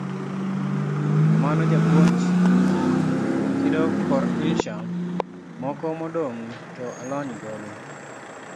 Kamano japuonj, kidok kor insha, moko modong' to alony godo.